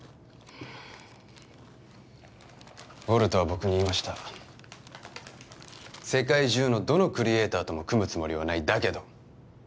ウォルトは僕に言いました「世界中のどのクリエイターとも組むつもりはないだけど」